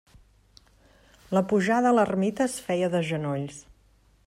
La pujada a l'ermita es feia de genolls.